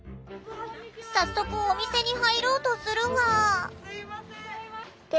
早速お店に入ろうとするが。